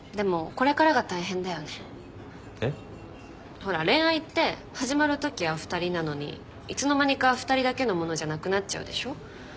ほら恋愛って始まるときは二人なのにいつの間にか二人だけのものじゃなくなっちゃうでしょ？